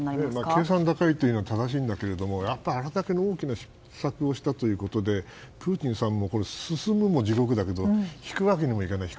計算高いというのは正しいんだけどやっぱり、あれだけ大きな失策をしたということでプーチンさんも進むも地獄だけど引くわけにもいかない。